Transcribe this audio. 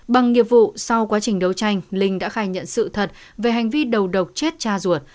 bằng nghiệp vụ sau quá trình đấu tranh linh đã khai nhận sự thật về hành vi đầu độc chết cha ruột